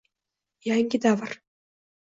Yangi davr